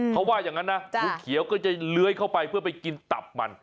เขาว่าอย่างนั้นนะงูเขียวก็จะเลื้อยเข้าไปเพื่อไปกินตับมัน